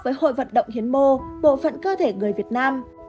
với hội vận động hiến mô bộ phận cơ thể người việt nam